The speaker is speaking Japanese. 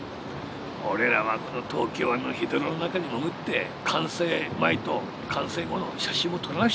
俺らはこの東京湾のヘドロの中に潜って完成前と完成後の写真を撮らなくちゃいけないんだよ。